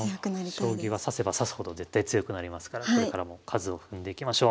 将棋は指せば指すほど絶対強くなりますからこれからも数を踏んでいきましょう。